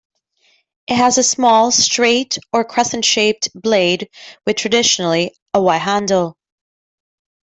It has a small, straight or crescent-shaped blade with traditionally, a white handle.